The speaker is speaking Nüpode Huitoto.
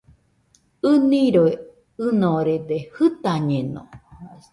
ɨniroi ɨnorede, jɨtañeno